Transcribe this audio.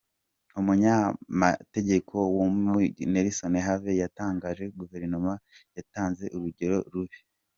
Umuyamategeko wa Miguna, Nelson Havi, yatangaje ko Guverinoma yatanze urugero rubi.